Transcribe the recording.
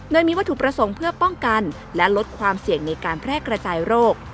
โดยมีวัตถุประสงค์เพื่อป้องกันและลดความเสี่ยงในการแพร่กระจายโรค